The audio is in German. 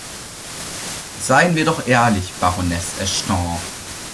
Seien wir doch ehrlich, Baroness Ashton.